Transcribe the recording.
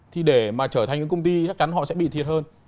thì để mà trở thành những công ty chắc chắn họ sẽ bị thiệt hơn